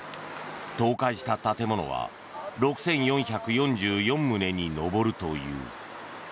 倒壊した建物は６４４４棟に上るという。